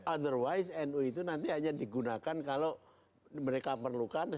otherwise nu itu nanti hanya digunakan kalau mereka perlukan